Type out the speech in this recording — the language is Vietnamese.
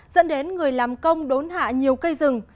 dẫn đến người làm công đốn hạ nhiều cây rừng